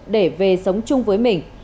để về sống chung với mình